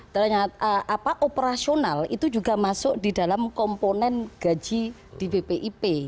ternyata operasional itu juga masuk di dalam komponen gaji di bpip